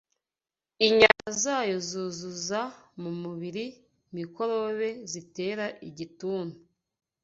Inyama zayo zuzuza mu mubiri mikorobe zitera igituntu